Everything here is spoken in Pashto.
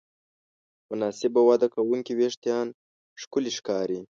مناسب وده کوونکي وېښتيان ښکلي ښکاري.